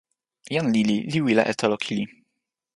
jan lili li wile e telo kili.